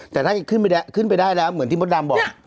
แต่ถ้าขึ้นไปได้แล้วเหมือนที่มดดำบอก